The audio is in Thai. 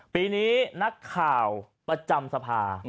ปีนี้นักข่าวประจำสภา